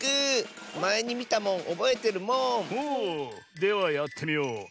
ではやってみよう。